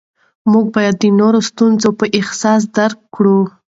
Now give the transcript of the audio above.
موږ باید د نورو ستونزې په احساس درک کړو